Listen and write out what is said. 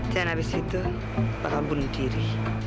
dan abis itu bakal bunuh diri